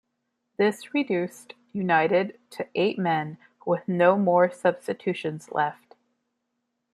This reduced United to eight men, with no more substitutions left.